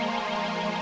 satu hari lagi